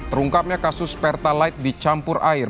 terungkapnya kasus pertalite dicampur air